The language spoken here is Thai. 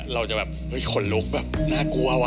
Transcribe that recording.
เราจะแบบเฮ้ยคนลุคน่ากลัววะ